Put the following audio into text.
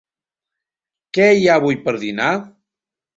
Què hi ha avui per dinar?